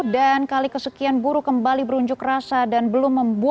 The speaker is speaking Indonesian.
dan kali kesekian buruh kembali berunding dengan perusahaan yang diperlukan oleh ump dan umk